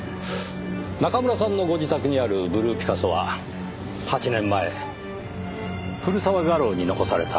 中村さんのご自宅にあるブルーピカソは８年前古澤画廊に残されたあの贋作ですね？